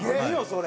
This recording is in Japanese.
それ！